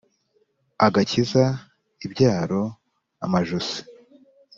Agakiza ibyaro amajosi.